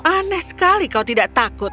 aneh sekali kau tidak takut